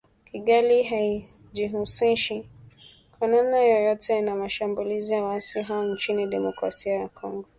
Kigali haijihusishi kwa namna yoyote na mashambulizi ya waasi hao nchini Demokrasia ya Kongo.